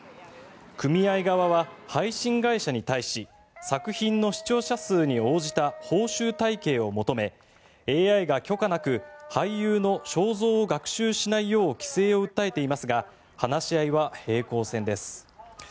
組合側は配信会社に対し作品の視聴者数に応じた報酬体系を求めＡＩが許可なく俳優の肖像を学習しないよう規制を訴えていますが話し合いは平行線です。